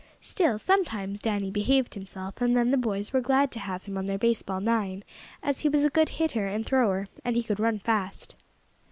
Still, sometimes Danny behaved himself, and then the boys were glad to have him on their baseball nine as he was a good hitter and thrower, and he could run fast.